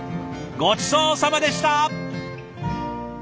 ごちそうさまでした！